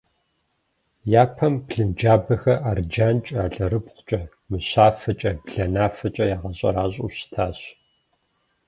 Япэм блынджабэхэр арджэнкӏэ, алэрыбгъукӏэ, мыщафэкӏэ, бланафэкӏэ ягъэщӏэращӏэу щытащ.